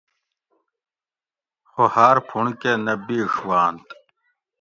خو ہاۤر پُھونڑ کہ نہ بِیڛ وانت